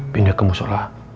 pindah ke musholah